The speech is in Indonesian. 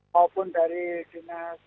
maupun dari bumat